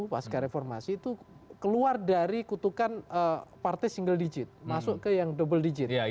pasca reformasi itu keluar dari kutukan partai single digit masuk ke yang double digit